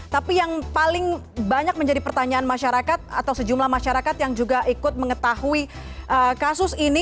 tapi yang paling banyak menjadi pertanyaan masyarakat atau sejumlah masyarakat yang juga ikut mengetahui kasus ini